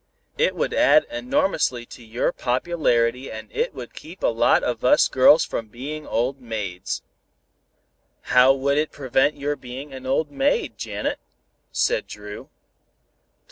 It would add enormously to your popularity and it would keep a lot of us girls from being old maids." "How would it prevent your being an old maid, Janet?" said Dru.